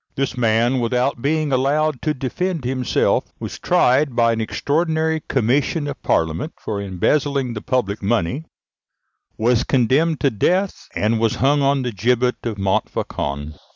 This man, without being allowed to defend himself, was tried by an extraordinary commission of parliament for embezzling the public money, was condemned to death, and was hung on the gibbet of Montfauçon.